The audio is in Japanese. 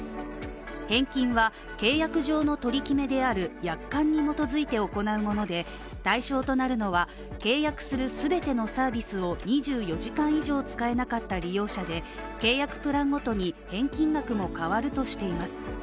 返金は契約上の取り決めである約款に基づいて行うもので、対象となるのは契約する全てのサービスを２４時間以上使えなかった利用者で、契約プランごとに返金額も変わるとしています